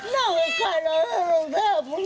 น้องค่อยลง